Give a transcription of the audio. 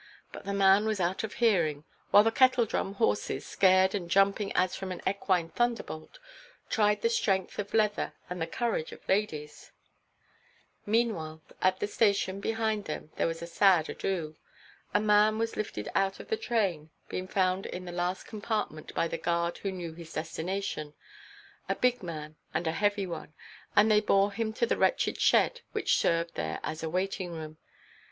But the man was out of hearing, while the Kettledrum horses, scared, and jumping as from an equine thunderbolt, tried the strength of leather and the courage of ladies. Meanwhile at the station behind them there was a sad ado. A man was lifted out of the train, being found in the last compartment by the guard who knew his destination—a big man, and a heavy one; and they bore him to the wretched shed which served there as a waiting–room.